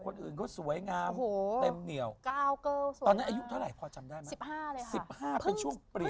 ซึ่งตรงลักษณ์โฮล้าสาธิกระจกเค้าจะแบ่งไว้